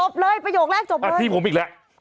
ซื้อให้มันต้องมีในกล่องไว้ล่ะ